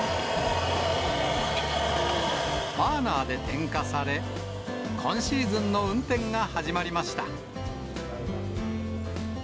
バーナーで点火され、今シーズンの運転が始まりました。